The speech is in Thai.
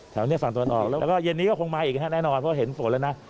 แถวนี้ฝั่งตะวันออกแล้วก็เย็นนี้ก็คงมาอีกฮะแน่นอนเพราะเห็นฝนแล้วนะ